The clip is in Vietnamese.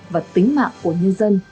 và tính mạng của nhân dân